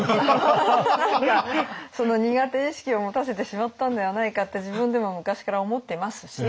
何かその苦手意識を持たせてしまったんではないかって自分でも昔から思っていますし。